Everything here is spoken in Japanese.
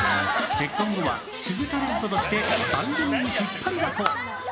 結婚後は主婦タレントとして番組に引っ張りだこ。